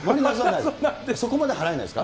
そこまで払えないですね。